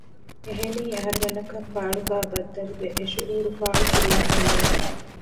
އެހެނީ އަހަރުމެންނަކަށް ފާޅުގައި ބައްދަލުވެ އެ ޝުއޫރު ފާޅު ކުރެވިފައެއް ނުވެ